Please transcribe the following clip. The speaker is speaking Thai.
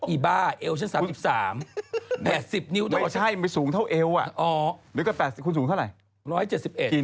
อีบ้าเอวฉัน๓๓ปัดสิบนิ้วไปสูงเท่าเอวอ่ะหรือก็คุณสูงเท่าไหน